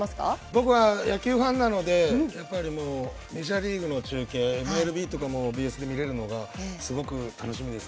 僕は野球ファンなのでメジャーリーグの中継ＭＬＢとかもＢＳで見れるのがすごく楽しみです。